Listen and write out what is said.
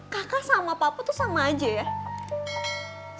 kakak sama papa tuh sama aja ya